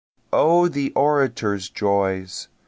O the orator's joys!